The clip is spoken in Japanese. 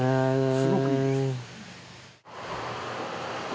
すごくいいです。